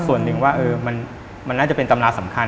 ส่วนหนึ่งว่ามันน่าจะเป็นตำราสำคัญ